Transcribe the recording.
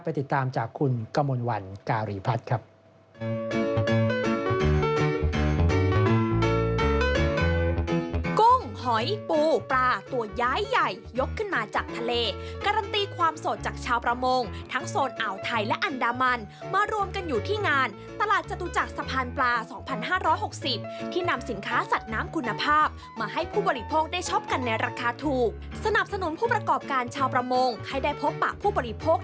ติดตามจากคุณกมลวันการีพัฒน์ครับ